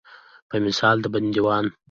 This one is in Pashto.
په مثال د بندیوان.